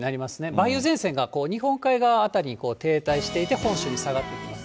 梅雨前線が日本海側辺りに停滞していて、本州に下がってきます。